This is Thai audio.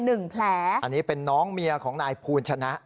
หนึ่งแผลอันนี้เป็นน้องเมียของนายภูลชนะ